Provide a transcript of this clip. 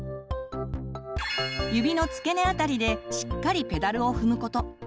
指の付け根あたりでしっかりペダルを踏むこと。